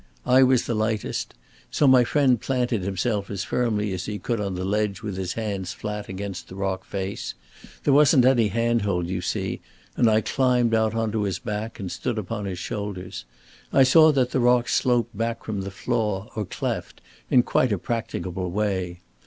I was the lightest. So my friend planted himself as firmly as he could on the ledge with his hands flat against the rock face. There wasn't any handhold, you see, and I climbed out on to his back and stood upon his shoulders. I saw that the rock sloped back from the flaw or cleft in quite a practicable way.